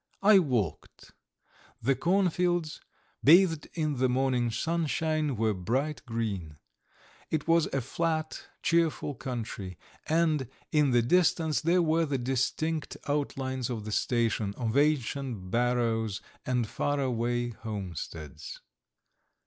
I walked. The cornfields, bathed in the morning sunshine, were bright green. It was a flat, cheerful country, and in the distance there were the distinct outlines of the station, of ancient barrows, and far away homesteads.